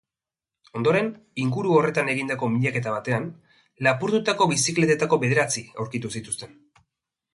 Ondoren, inguru horretan egindako miaketa batean, lapurtutako bizikletetako bederatzi aurkitu zituzten.